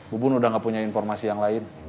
bu bun udah gak punya informasi yang lain